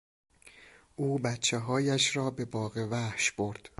او بچههایش را به باغوحش برد.